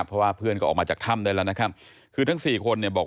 เพราะว่าเพื่อนก็ออกมาจากถ้ำได้แล้วนะครับคือทั้งสี่คนเนี่ยบอก